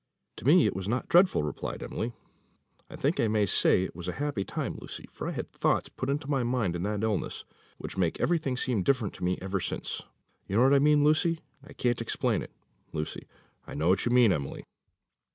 "To me it was not dreadful," replied Emily; "I think I may say it was a happy time, Lucy, for I had thoughts put into my mind in that illness which make everything seem different to me ever since. You know what I mean, Lucy, I can't explain it." Lucy. "I know what you mean, Emily."